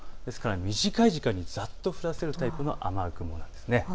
短い時間にざっと降らせるタイプの雨雲なんです。